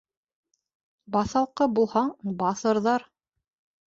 Баҫалҡы булһаң, баҫырҙар